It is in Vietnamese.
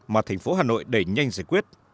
mà thành phố hà nội đẩy nhanh giải quyết